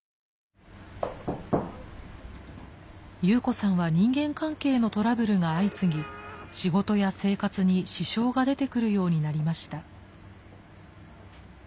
ユウコさんは人間関係のトラブルが相次ぎ仕事や生活に支障が出てくるようになりました。